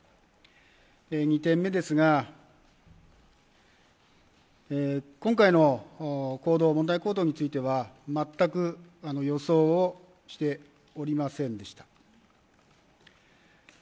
２点目ですが今回の問題行動については全く、予想をしておりませんでした。